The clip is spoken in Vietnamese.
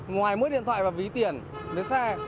ngoài mỗi điện thoại và ví tiền mấy xe